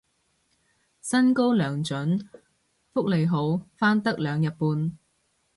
薪高糧準福利好返得兩日半